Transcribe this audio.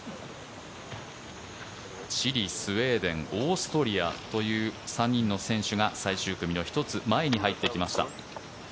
チリ、スウェーデンオーストリアという３人の選手が最終組の１つ前に入ってきました。